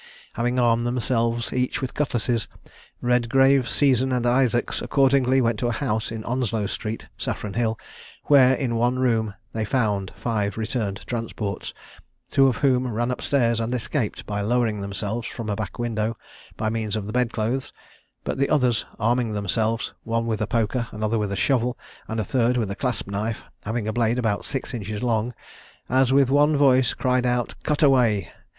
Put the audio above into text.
Having armed themselves each with cutlasses, Redgrave, Season, and Isaacs, accordingly went to a house in Onslow street, Saffron hill, where, in one room, they found five returned transports, two of whom ran up stairs, and escaped by lowering themselves from a back window, by means of the bed clothes: but the others, arming themselves, one with a poker, another with a shovel, and a third with a clasp knife, having a blade about six inches long, as with one voice, cried out "Cut away!